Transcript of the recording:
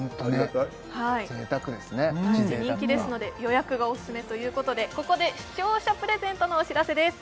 プチ贅沢感人気ですので予約がおすすめということでここで視聴者プレゼントのお知らせです